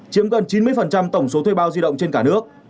chiếm gần chín mươi tổng số thuê bao di động trên cả nước